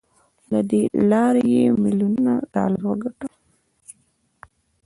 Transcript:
له دې لارې يې ميليونونه ډالر وګټل.